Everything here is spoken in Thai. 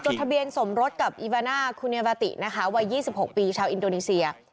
จดทะเบียนสมรสกับอิวาหน้าคุณีวาติวัย๒๖ปีชาวอินโดนีเซีย